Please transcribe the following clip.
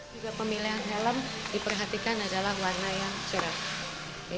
juga pemilihan helm diperhatikan adalah warna yang cerah